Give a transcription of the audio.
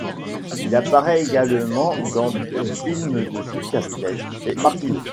Il apparaît également dans les films de Ducastel et Martineau.